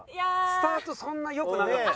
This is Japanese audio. スタートそんな良くなかった。